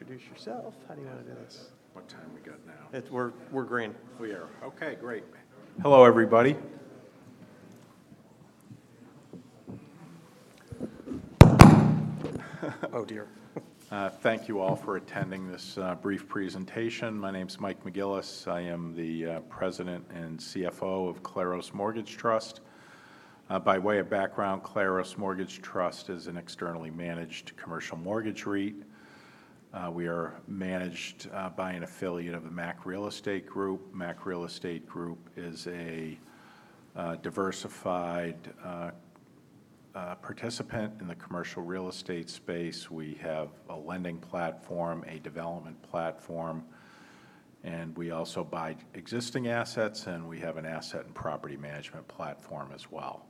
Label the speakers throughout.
Speaker 1: Introduce yourself? How do you want to do this?
Speaker 2: What time we got now?
Speaker 1: We're green.
Speaker 2: We are. Okay, great. Hello, everybody. Thank you all for attending this brief presentation. My name's Mike McGillis. I am the President and CFO of Claros Mortgage Trust. By way of background, Claros Mortgage Trust is an externally managed commercial mortgage REIT. We are managed by an affiliate of the Mack Real Estate Group. Mack Real Estate Group is a diversified participant in the commercial real estate space. We have a lending platform, a development platform, and we also buy existing assets, and we have an asset and property management platform as well.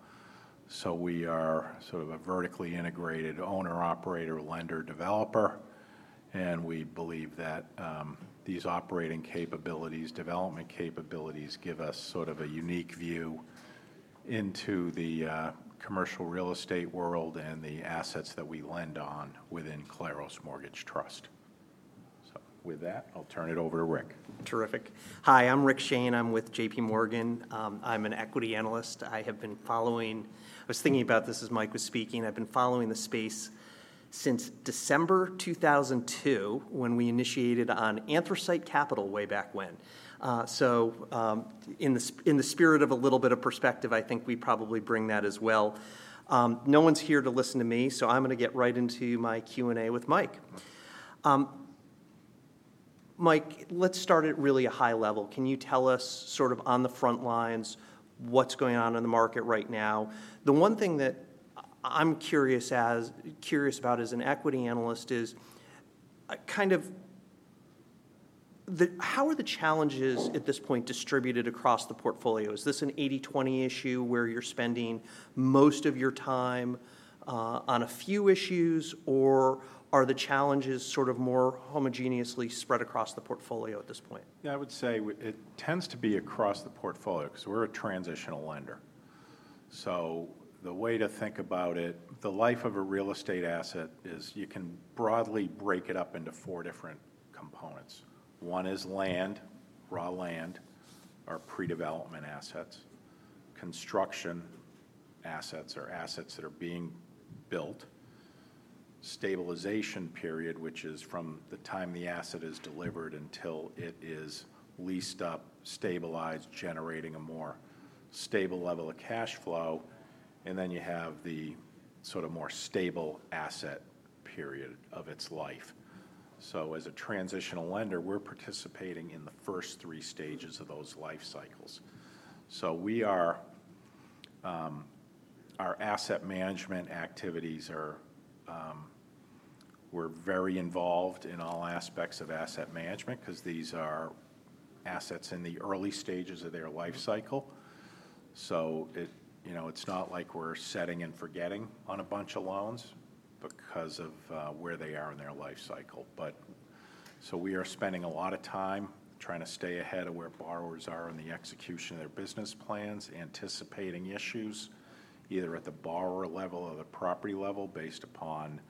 Speaker 2: So we are sort of a vertically integrated owner, operator, lender, developer, and we believe that these operating capabilities, development capabilities, give us sort of a unique view into the commercial real estate world and the assets that we lend on within Claros Mortgage Trust. With that, I'll turn it over to Rick.
Speaker 1: Terrific. Hi, I'm Rick Shane. I'm with JPMorgan. I'm an equity analyst. I was thinking about this as Mike was speaking. I've been following the space since December 2002, when we initiated on Anthracite Capital way back when. So, in the spirit of a little bit of perspective, I think we probably bring that as well. No one's here to listen to me, so I'm gonna get right into my Q&A with Mike. Mike, let's start at really a high level. Can you tell us sort of on the front lines, what's going on in the market right now? The one thing that I'm curious about as an equity analyst is, kind of, the how are the challenges at this point distributed across the portfolio? Is this an 80/20 issue, where you're spending most of your time on a few issues, or are the challenges sort of more homogeneously spread across the portfolio at this point?
Speaker 2: Yeah, I would say it tends to be across the portfolio 'cause we're a transitional lender. So the way to think about it, the life of a real estate asset is you can broadly break it up into four different components. One is land, raw land, or pre-development assets. Construction assets, or assets that are being built. Stabilization period, which is from the time the asset is delivered until it is leased up, stabilized, generating a more stable level of cash flow. And then you have the sort of more stable asset period of its life. So as a transitional lender, we're participating in the first three stages of those life cycles. So we are. Our asset management activities are. We're very involved in all aspects of asset management 'cause these are assets in the early stages of their life cycle. So it, you know, it's not like we're setting and forgetting on a bunch of loans because of where they are in their life cycle. But so we are spending a lot of time trying to stay ahead of where borrowers are in the execution of their business plans, anticipating issues, either at the borrower level or the property level, based upon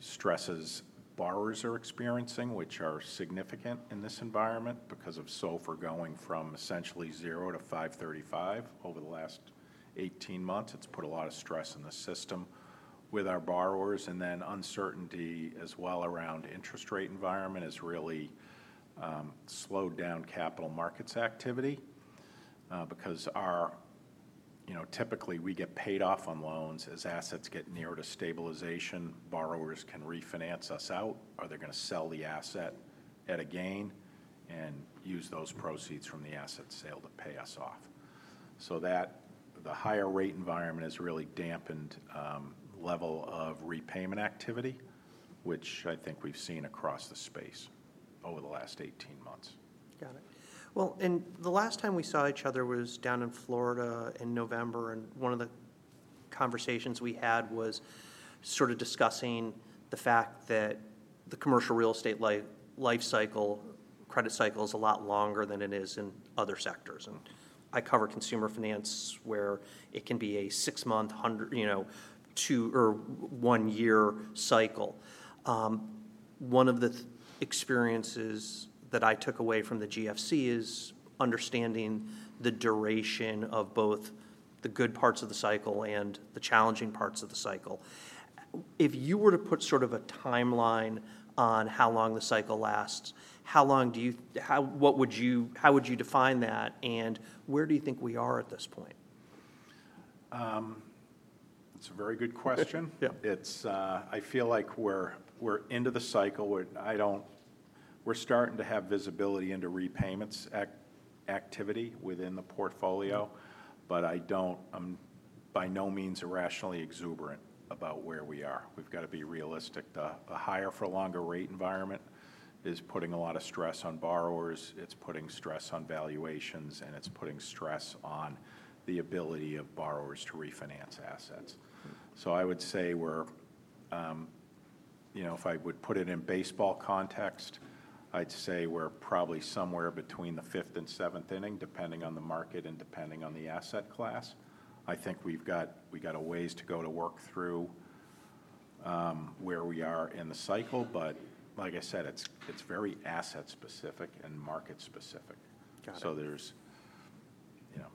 Speaker 2: stresses borrowers are experiencing, which are significant in this environment because of SOFR going from essentially 0-5.35 over the last 18 months. It's put a lot of stress in the system with our borrowers. And then uncertainty as well around interest rate environment has really slowed down capital markets activity because typically, we get paid off on loans. As assets get nearer to stabilization, borrowers can refinance us out, or they're gonna sell the asset at a gain and use those proceeds from the asset sale to pay us off. So that, the higher rate environment has really dampened level of repayment activity, which I think we've seen across the space over the last 18 months.
Speaker 1: Got it. Well, and the last time we saw each other was down in Florida in November, and one of the conversations we had was sort of discussing the fact that the commercial real estate life cycle, credit cycle, is a lot longer than it is in other sectors. And I cover consumer finance, where it can be a 6-month, 100, you know, 2 or 1-year cycle. One of the experiences that I took away from the GFC is understanding the duration of both the good parts of the cycle and the challenging parts of the cycle. If you were to put sort of a timeline on how long the cycle lasts how would you define that, and where do you think we are at this point?
Speaker 2: It's a very good question. It's I feel like we're into the cycle. We're starting to have visibility into repayments activity within the portfolio, but I don't—I'm by no means irrationally exuberant about where we are. We've got to be realistic. The higher-for-longer rate environment is putting a lot of stress on borrowers, it's putting stress on valuations, and it's putting stress on the ability of borrowers to refinance assets. So I would say we're, you know, if I would put it in baseball context. I'd say we're probably somewhere between the fifth and seventh inning, depending on the market and depending on the asset class. I think we've got a ways to go to work through where we are in the cycle, but like I said, it's very asset-specific and market-specific.
Speaker 1: Got it.
Speaker 2: There's, you know,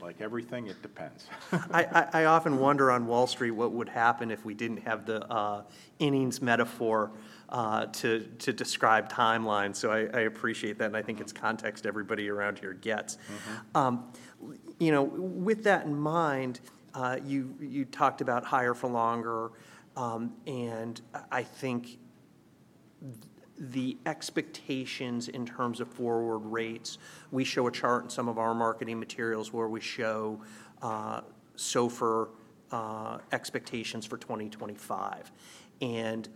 Speaker 2: like everything, it depends.
Speaker 1: I often wonder on Wall Street what would happen if we didn't have the innings metaphor to describe timelines, so I appreciate that, and I think it's context everybody around here gets. With that in mind, you know, you talked about higher for longer, and I think the expectations in terms of forward rates, we show a chart in some of our marketing materials where we show SOFR expectations for 2025. And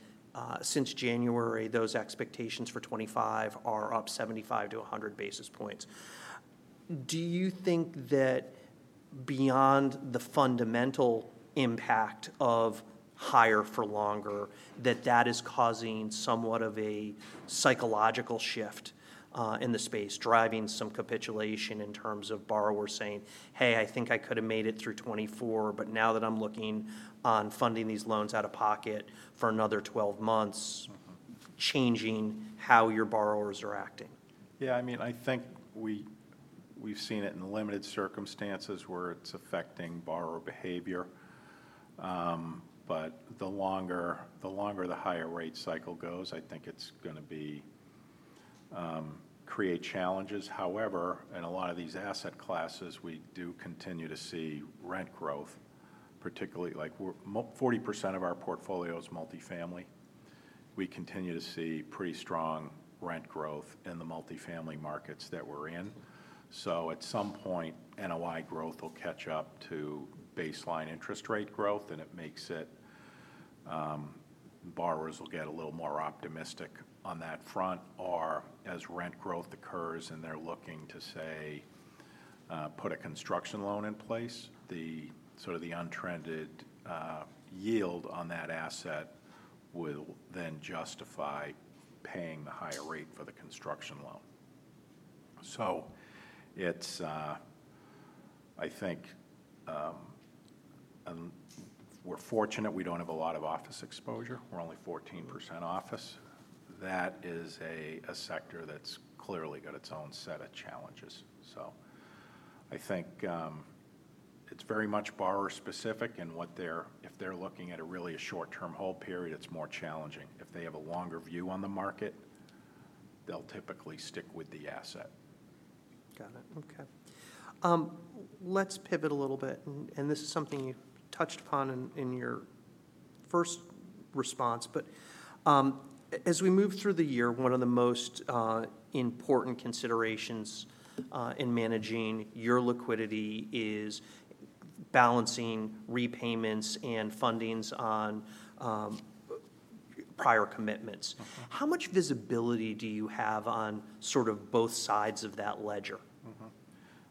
Speaker 1: since January, those expectations for 2025 are up 75-100 basis points. Do you think that beyond the fundamental impact of higher for longer, that that is causing somewhat of a psychological shift in the space, driving some capitulation in terms of borrowers saying: "Hey, I think I could have made it through 2024, but now that I'm looking on funding these loans out of pocket for another 12 months changing how your borrowers are acting?
Speaker 2: Yeah, I mean, I think we, we've seen it in limited circumstances where it's affecting borrower behavior. But the longer, the longer the higher rate cycle goes, I think it's gonna be create challenges. However, in a lot of these asset classes, we do continue to see rent growth, particularly like we're 40% of our portfolio is multifamily. We continue to see pretty strong rent growth in the multifamily markets that we're in. So at some point, NOI growth will catch up to baseline interest rate growth, and it makes it, borrowers will get a little more optimistic on that front, or as rent growth occurs and they're looking to, say, put a construction loan in place, the sort of untrended yield on that asset will then justify paying the higher rate for the construction loan. We're fortunate we don't have a lot of office exposure. We're only 14% office. That is a sector that's clearly got its own set of challenges. It's very much borrower specific and if they're looking at a really short-term hold period, it's more challenging. If they have a longer view on the market, they'll typically stick with the asset.
Speaker 1: Got it. Okay. Let's pivot a little bit, and this is something you touched upon in your first response. But as we move through the year, one of the most important considerations in managing your liquidity is balancing repayments and fundings on prior commitments. How much visibility do you have on sort of both sides of that ledger?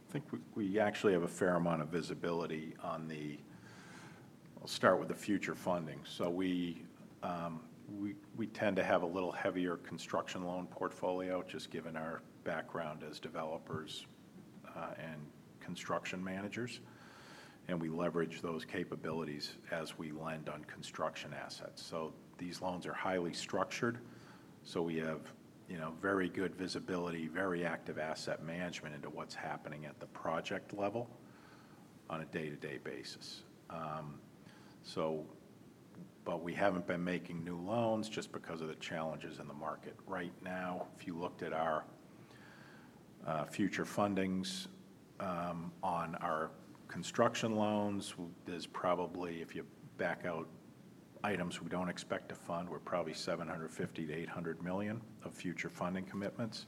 Speaker 2: I think we actually have a fair amount of visibility. I'll start with the future funding. So we tend to have a little heavier construction loan portfolio, just given our background as developers and construction managers, and we leverage those capabilities as we lend on construction assets. So these loans are highly structured, so we have, you know, very good visibility, very active asset management into what's happening at the project level on a day-to-day basis. But we haven't been making new loans just because of the challenges in the market right now. If you looked at our future fundings on our construction loans, there's probably, if you back out items we don't expect to fund, we're probably $750 million-$800 million of future funding commitments.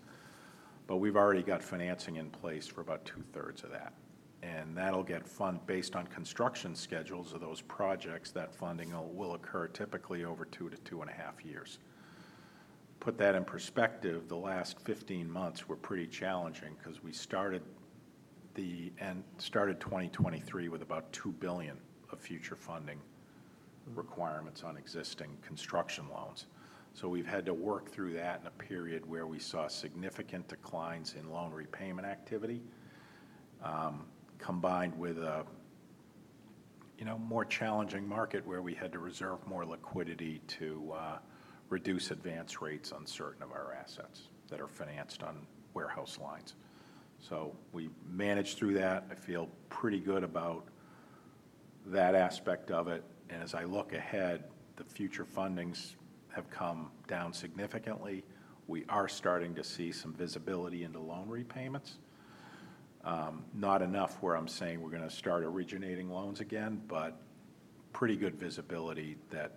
Speaker 2: But we've already got financing in place for about 2/3 of that, and that'll get funded based on construction schedules of those projects. That funding will occur typically over 2-2.5 years. Put that in perspective, the last 15 months were pretty challenging 'cause we started 2023 with about $2 billion of future funding requirements on existing construction loans. So we've had to work through that in a period where we saw significant declines in loan repayment activity, combined with a, you know, more challenging market, where we had to reserve more liquidity to reduce advance rates on certain of our assets that are financed on warehouse lines. So we managed through that. I feel pretty good about that aspect of it. And as I look ahead, the future fundings have come down significantly. We are starting to see some visibility into loan repayments. Not enough where I'm saying we're gonna start originating loans again, but pretty good visibility that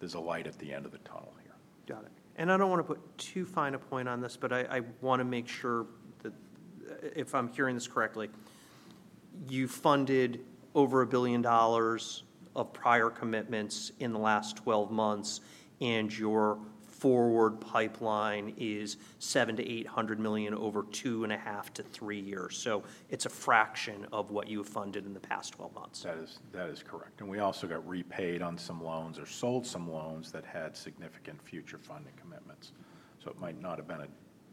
Speaker 2: there's a light at the end of the tunnel here.
Speaker 1: Got it. And I don't wanna put too fine a point on this, but I wanna make sure that if I'm hearing this correctly, you funded over $1 billion of prior commitments in the last 12 months, and your forward pipeline is $700 million-$800 million over 2.5-3 years. So it's a fraction of what you have funded in the past 12 months.
Speaker 2: That is, that is correct. And we also got repaid on some loans or sold some loans that had significant future funding commitments. So it might not have been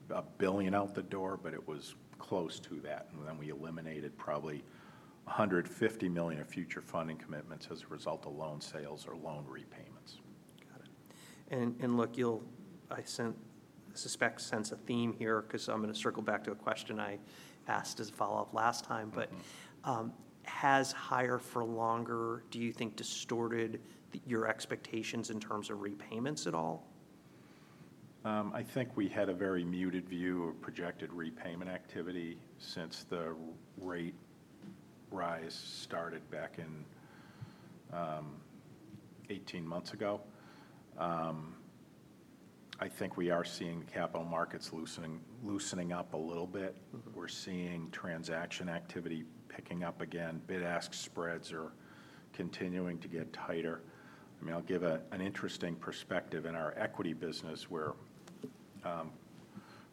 Speaker 2: $1 billion out the door, but it was close to that. And then we eliminated probably $150 million of future funding commitments as a result of loan sales or loan repayments.
Speaker 1: Got it. And look, you'll—I sense a theme here 'cause I'm gonna circle back to a question I asked as a follow-up last time. But, has higher for longer, do you think, distorted your expectations in terms of repayments at all?
Speaker 2: I think we had a very muted view of projected repayment activity since the rate rise started back in 18 months ago. I think we are seeing the capital markets loosening, loosening up a little bit. We're seeing transaction activity picking up again. Bid-ask spreads are continuing to get tighter. I mean, I'll give an interesting perspective. In our equity business, we're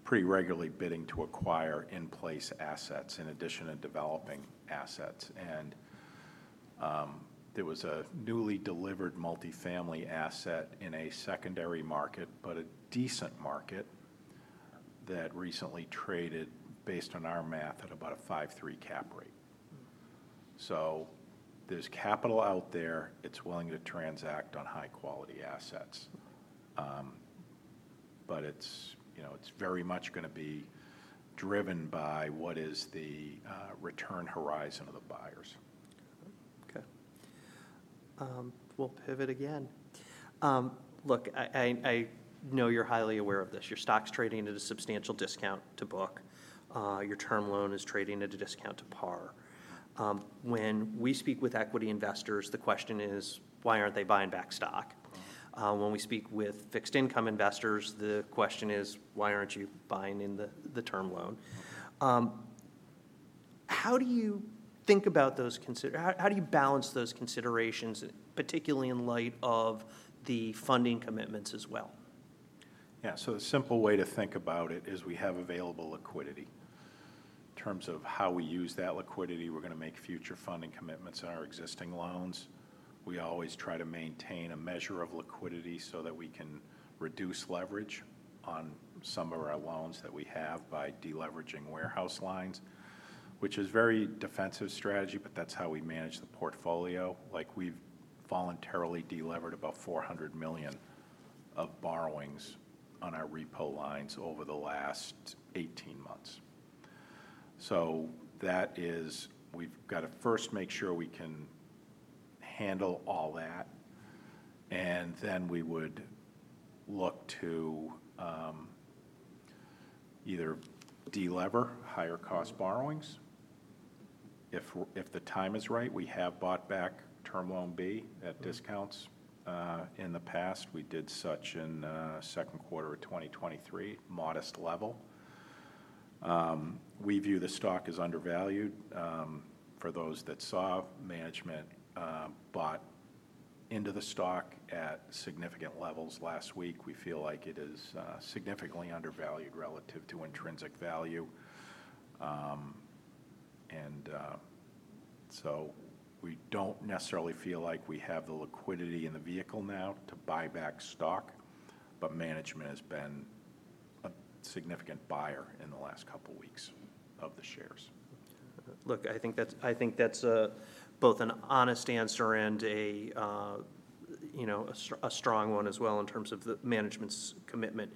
Speaker 2: pretty regularly bidding to acquire in-place assets in addition to developing assets. And there was a newly delivered multifamily asset in a secondary market, but a decent market, that recently traded, based on our math, at about a 5.3 cap rate. So there's capital out there. It's willing to transact on high-quality assets. But it's, you know, it's very much gonna be driven by what is the return horizon of the buyers.
Speaker 1: Okay. We'll pivot again. Look, I know you're highly aware of this. Your stock's trading at a substantial discount to book. Your term loan is trading at a discount to par. When we speak with equity investors, the question is, why aren't they buying back stock? When we speak with fixed income investors, the question is, why aren't you buying in the term loan? How do you think about those considerations? How do you balance those considerations, particularly in light of the funding commitments as well?
Speaker 2: Yeah, so the simple way to think about it is we have available liquidity. In terms of how we use that liquidity, we're gonna make future funding commitments on our existing loans. We always try to maintain a measure of liquidity so that we can reduce leverage on some of our loans that we have by de-leveraging warehouse lines, which is very defensive strategy, but that's how we manage the portfolio. Like, we've voluntarily de-levered about $400 million of borrowings on our repo lines over the last 18 months. We've got to first make sure we can handle all that, and then we would look to, either de-lever higher-cost borrowings. If the time is right, we have bought back Term Loan B at discounts. In the past, we did such in, second quarter of 2023, modest level. We view the stock as undervalued. For those that saw management bought into the stock at significant levels last week. We feel like it is significantly undervalued relative to intrinsic value. So we don't necessarily feel like we have the liquidity in the vehicle now to buy back stock, but management has been a significant buyer in the last couple weeks of the shares.
Speaker 1: Look, I think that's, I think that's both an honest answer and a, you know, a strong one as well in terms of the management's commitment.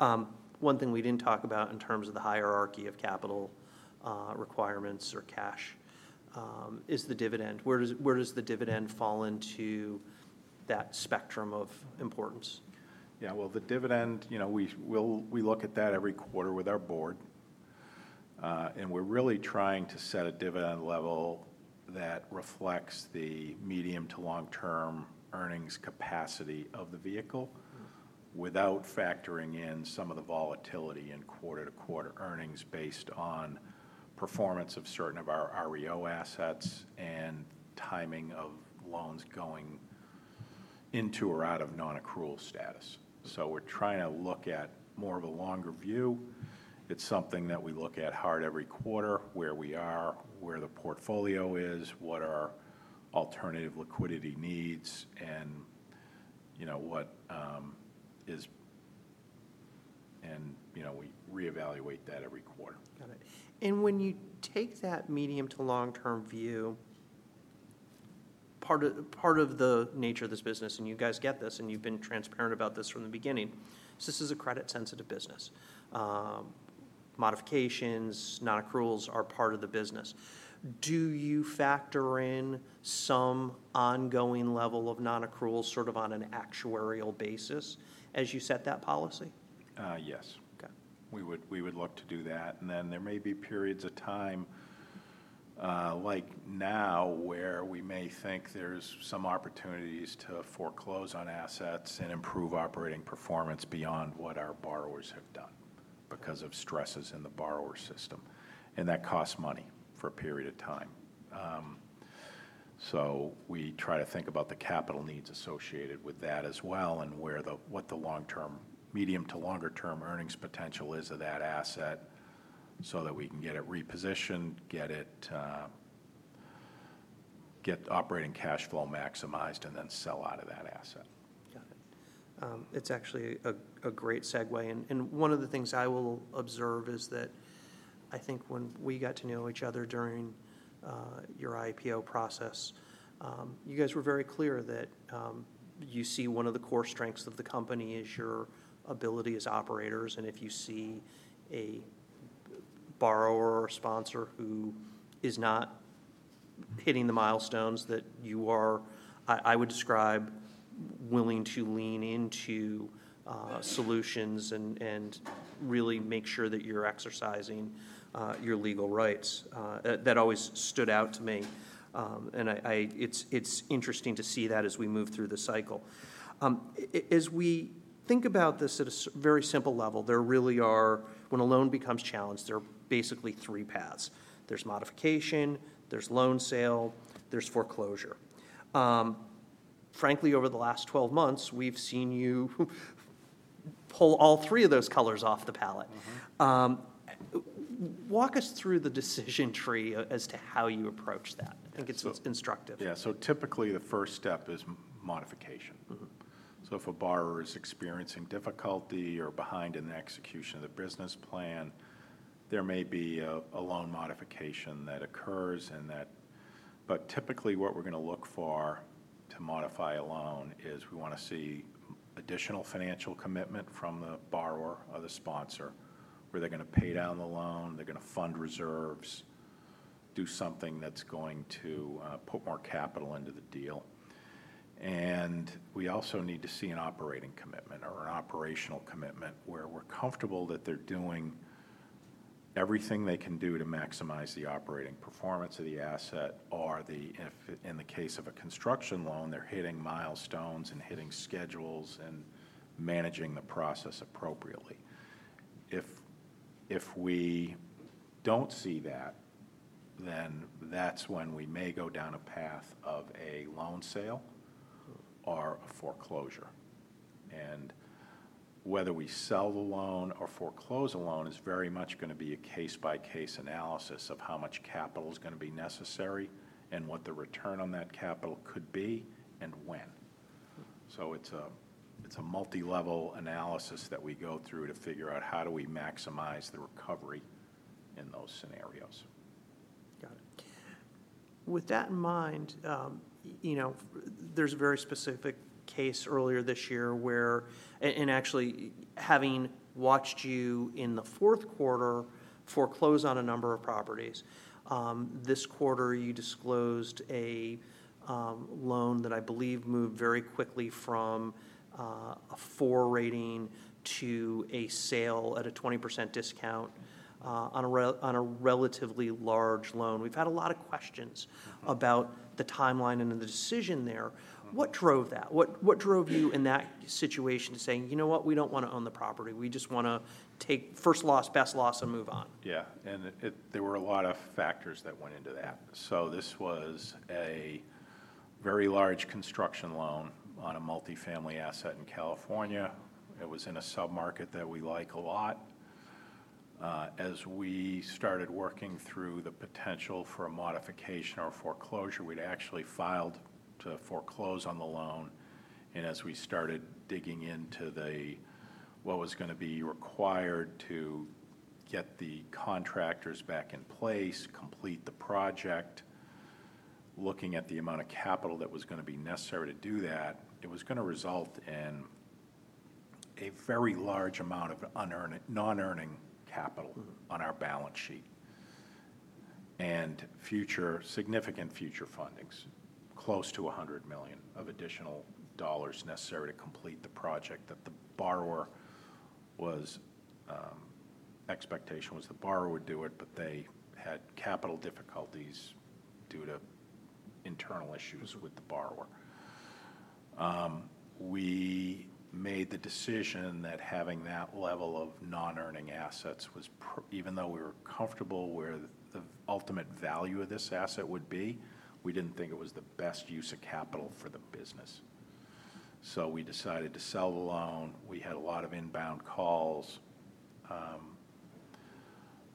Speaker 1: One thing we didn't talk about in terms of the hierarchy of capital, requirements or cash, is the dividend. Where does the dividend fall into that spectrum of importance?
Speaker 2: Yeah, well, the dividend, you know, we'll look at that every quarter with our board. And we're really trying to set a dividend level that reflects the medium to long-term earnings capacity of the vehicle without factoring in some of the volatility in quarter-to-quarter earnings based on performance of certain of our REO assets and timing of loans going into or out of non-accrual status. So we're trying to look at more of a longer view. It's something that we look at hard every quarter, where we are, where the portfolio is, what are our alternative liquidity needs, and you know, what is and you know, we reevaluate that every quarter.
Speaker 1: Got it. And when you take that medium to long-term view, part of, part of the nature of this business, and you guys get this, and you've been transparent about this from the beginning, so this is a credit-sensitive business. Modifications, non-accruals are part of the business. Do you factor in some ongoing level of non-accrual, sort of on an actuarial basis, as you set that policy?
Speaker 2: Uh, yes.
Speaker 1: Okay.
Speaker 2: We would, we would look to do that, and then there may be periods of time, like now, where we may think there's some opportunities to foreclose on assets and improve operating performance beyond what our borrowers have done because of stresses in the borrower system, and that costs money for a period of time. So we try to think about the capital needs associated with that as well, and what the long-term, medium to longer term earnings potential is of that asset, so that we can get it repositioned, get it, get operating cash flow maximized, and then sell out of that asset.
Speaker 1: Got it. It's actually a great segue, and one of the things I will observe is that I think when we got to know each other during your IPO process, you guys were very clear that you see one of the core strengths of the company is your ability as operators, and if you see a borrower or sponsor who is not hitting the milestones that you are, I would describe willing to lean into solutions and really make sure that you're exercising your legal rights. That always stood out to me, and it's interesting to see that as we move through the cycle. As we think about this at a very simple level, there really are when a loan becomes challenged, there are basically three paths: there's modification, there's loan sale, there's foreclosure. Frankly, over the last 12 months, we've seen you pull all three of those colors off the palette. Walk us through the decision tree as to how you approach that. I think it's instructive.
Speaker 2: Yeah. So typically, the first step is modification. So if a borrower is experiencing difficulty or behind in the execution of the business plan, there may be a loan modification that occurs and that, but typically, what we're gonna look for to modify a loan is, we wanna see additional financial commitment from the borrower or the sponsor, where they're gonna pay down the loan, they're gonna fund reserves, do something that's going to put more capital into the deal. And we also need to see an operating commitment or an operational commitment, where we're comfortable that they're doing everything they can do to maximize the operating performance of the asset, or in the case of a construction loan, they're hitting milestones and hitting schedules, and managing the process appropriately. If we don't see that, then that's when we may go down a path of a loan sale or a foreclosure. Whether we sell the loan or foreclose a loan is very much gonna be a case-by-case analysis of how much capital is gonna be necessary, and what the return on that capital could be, and when it's a, it's a multi-level analysis that we go through to figure out, how do we maximize the recovery in those scenarios?
Speaker 1: Got it. With that in mind, you know, there's a very specific case earlier this year, and actually, having watched you in the fourth quarter foreclose on a number of properties, this quarter, you disclosed a loan that I believe moved very quickly from a four rating to a sale at a 20% discount, on a relatively large loan. We've had a lot of questions about the timeline and then the decision there. What drove that? What, what drove you in that situation to saying: "You know what? We don't wanna own the property. We just wanna take first loss, best loss, and move on"?
Speaker 2: Yeah. And there were a lot of factors that went into that. So this was a very large construction loan on a multifamily asset in California. It was in a sub-market that we like a lot. As we started working through the potential for a modification or foreclosure, we'd actually filed to foreclose on the loan, and as we started digging into what was gonna be required to get the contractors back in place, complete the project, looking at the amount of capital that was gonna be necessary to do that, it was gonna result in a very large amount of unearning, non-earning capital on our balance sheet. Future, significant future fundings, close to $100 million of additional dollars necessary to complete the project that the borrower was. Expectation was the borrower would do it, but they had capital difficulties due to internal issues with the borrower. We made the decision that having that level of non-earning assets was even though we were comfortable where the ultimate value of this asset would be, we didn't think it was the best use of capital for the business. So we decided to sell the loan. We had a lot of inbound calls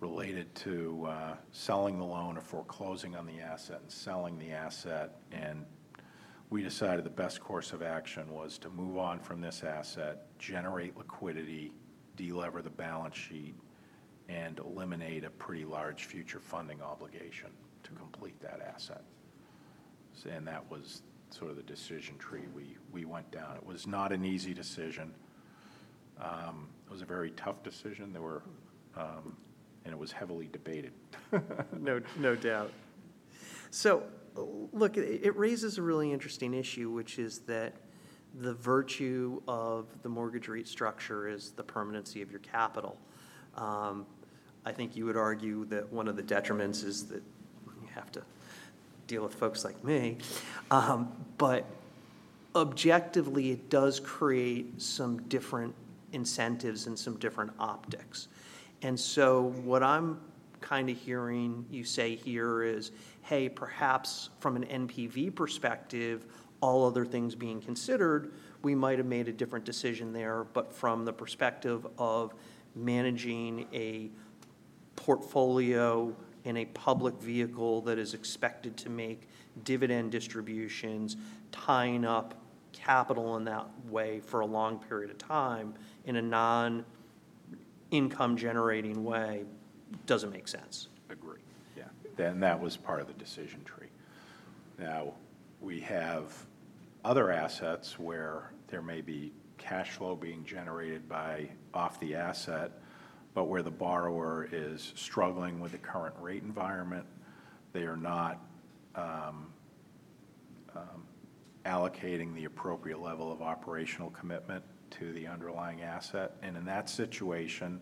Speaker 2: related to selling the loan or foreclosing on the asset and selling the asset, and we decided the best course of action was to move on from this asset, generate liquidity, de-lever the balance sheet, and eliminate a pretty large future funding obligation to complete that asset. So and that was sort of the decision tree we went down. It was not an easy decision. It was a very tough decision. There were, and it was heavily debated.
Speaker 1: No, no doubt. So, look, it raises a really interesting issue, which is that the virtue of the mortgage REIT structure is the permanency of your capital. I think you would argue that one of the detriments is that you have to deal with folks like me. But objectively, it does create some different incentives and some different optics. And so what I'm kinda hearing you say here is, "Hey, perhaps from an NPV perspective, all other things being considered, we might have made a different decision there. But from the perspective of managing a portfolio in a public vehicle that is expected to make dividend distributions, tying up capital in that way for a long period of time in a non-income generating way doesn't make sense.
Speaker 2: Agree. Yeah. Then that was part of the decision tree. Now, we have other assets where there may be cash flow being generated by off the asset, but where the borrower is struggling with the current rate environment, they are not allocating the appropriate level of operational commitment to the underlying asset. And in that situation,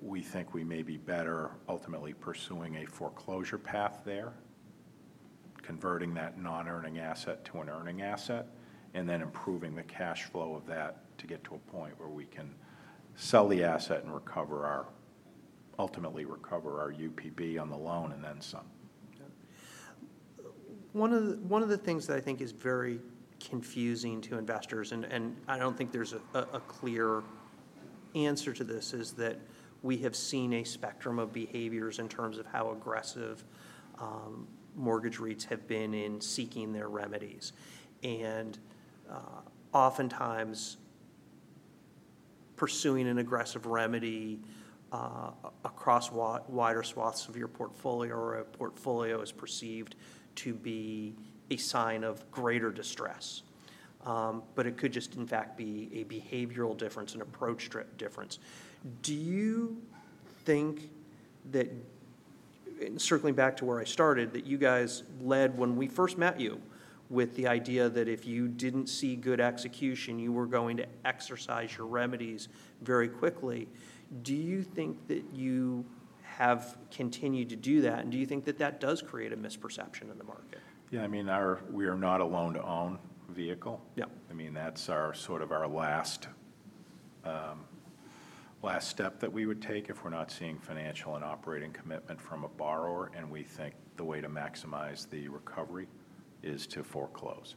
Speaker 2: we think we may be better ultimately pursuing a foreclosure path there, converting that non-earning asset to an earning asset, and then improving the cash flow of that to get to a point where we can sell the asset and recover our—ultimately recover our UPB on the loan and then some.
Speaker 1: Yeah. One of the things that I think is very confusing to investors, and I don't think there's a clear answer to this, is that we have seen a spectrum of behaviors in terms of how aggressive mortgage REITs have been in seeking their remedies. And oftentimes, pursuing an aggressive remedy across wider swaths of your portfolio or a portfolio is perceived to be a sign of greater distress. But it could just, in fact, be a behavioral difference, an approach difference. Do you think that, and circling back to where I started, that you guys led when we first met you, with the idea that if you didn't see good execution, you were going to exercise your remedies very quickly. Do you think that you have continued to do that, and do you think that that does create a misperception in the market?
Speaker 2: Yeah, I mean, we are not a loan-to-own vehicle. I mean, that's our sort of last step that we would take if we're not seeing financial and operating commitment from a borrower, and we think the way to maximize the recovery is to foreclose.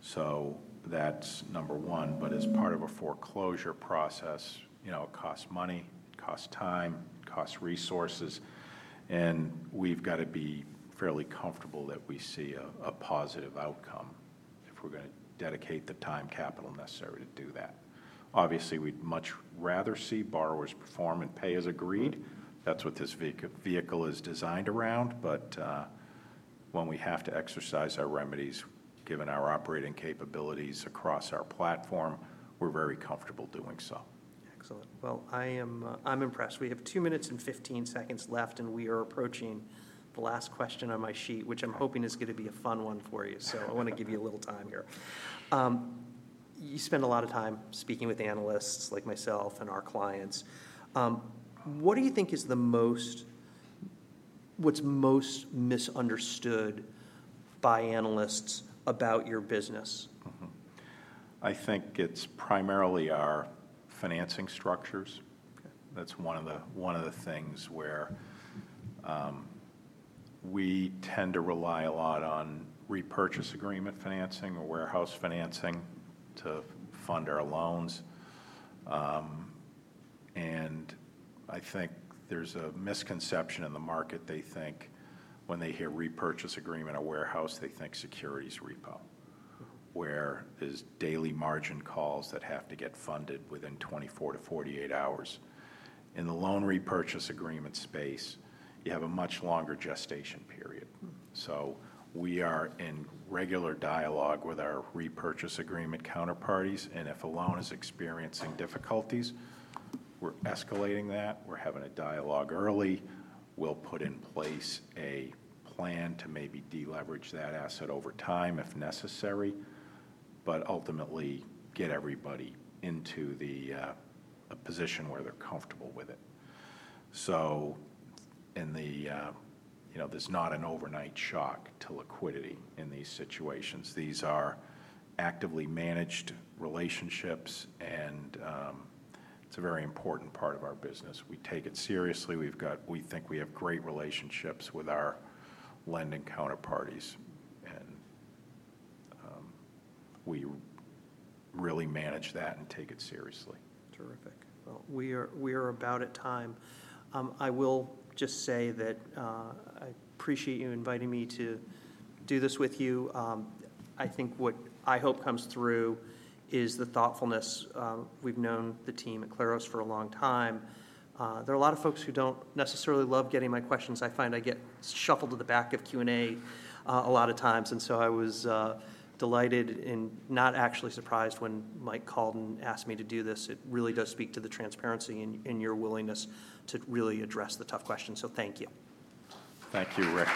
Speaker 2: So that's number one. But as part of a foreclosure process, you know, it costs money, it costs time, it costs resources, and we've gotta be fairly comfortable that we see a positive outcome if we're gonna dedicate the time capital necessary to do that. Obviously, we'd much rather see borrowers perform and pay as agreed. That's what this vehicle is designed around. But, when we have to exercise our remedies, given our operating capabilities across our platform, we're very comfortable doing so.
Speaker 1: Excellent. Well, I am, I'm impressed. We have 2 minutes and 15 seconds left, and we are approaching the last question on my sheet, which I'm hoping is gonna be a fun one for you. So I wanna give you a little time here. You spend a lot of time speaking with analysts like myself and our clients. What do you think is what's most misunderstood by analysts about your business?
Speaker 2: I think it's primarily our financing structures. That's one of the, one of the things where, we tend to rely a lot on repurchase agreement financing or warehouse financing to fund our loans. And I think there's a misconception in the market. They think when they hear repurchase agreement or warehouse, they think securities repo, where there's daily margin calls that have to get funded within 24-48 hours. In the loan repurchase agreement space, you have a much longer gestation period. So we are in regular dialogue with our repurchase agreement counterparties, and if a loan is experiencing difficulties, we're escalating that. We're having a dialogue early. We'll put in place a plan to maybe de-leverage that asset over time, if necessary, but ultimately get everybody into the, a position where they're comfortable with it. There's not an overnight shock to liquidity in these situations. These are actively managed relationships, and, it's a very important part of our business. We take it seriously. We've got we think we have great relationships with our lending counterparties, and, we really manage that and take it seriously.
Speaker 1: Terrific. Well, we are about at time. I will just say that I appreciate you inviting me to do this with you. I think what I hope comes through is the thoughtfulness. We've known the team at Claros for a long time. There are a lot of folks who don't necessarily love getting my questions. I find I get shuffled to the back of Q&A a lot of times, and so I was delighted and not actually surprised when Mike called and asked me to do this. It really does speak to the transparency and your willingness to really address the tough questions. So thank you.
Speaker 2: Thank you, Rick.